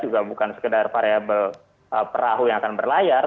juga bukan sekedar variable perahu yang akan berlayar